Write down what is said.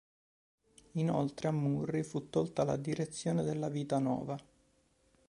Inoltre, a Murri fu tolta la direzione della "Vita nova".